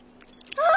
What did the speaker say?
ああ。